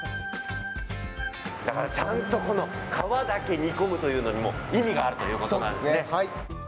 ちゃんと皮だけ煮込むというのにも意味があるということなんですね。